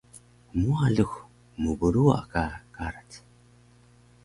Hmuwa lux mbruwa ka karac?